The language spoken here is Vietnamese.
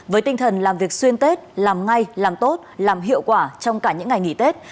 với tinh thần làm việc xuyên tết làm ngay làm tốt làm hiệu quả trong cả những ngày nghỉ tết